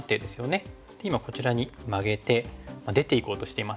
今こちらにマゲて出ていこうとしています。